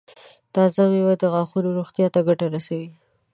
تازه مېوه د غاښونو روغتیا ته ګټه رسوي.